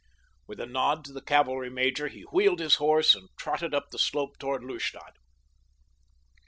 With a nod to the cavalry major he wheeled his horse and trotted up the slope toward Lustadt.